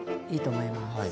いいと思います。